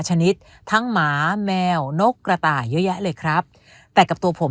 ชนิดทั้งหมาแมวนกกระต่ายเยอะแยะเลยครับแต่กับตัวผม